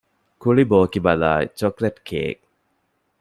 ކުޅި ބޯކިބަލާއި ޗޮކްލެޓްކޭއް